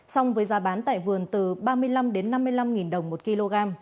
song với giá bán tại vườn từ ba mươi năm năm mươi năm đồng một kg